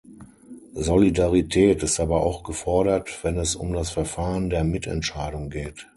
Solidarität ist aber auch gefordert, wenn es um das Verfahren der Mitentscheidung geht.